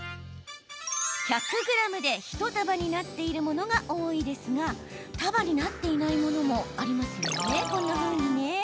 １００ｇで１束になっているものが多いですが束になっていないものもありますよね。